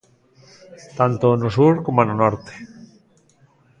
Tanto no sur coma no norte.